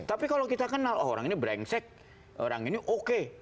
tapi kalau kita kenal orang ini brengsek orang ini oke